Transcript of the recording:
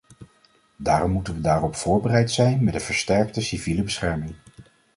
Daarom moeten we daarop voorbereid zijn met een versterkte civiele bescherming.